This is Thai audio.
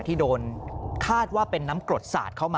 อารมณ์ไม่ดีเพราะว่าอะไรฮะ